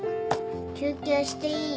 休憩していい？